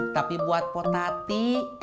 tapi buat potati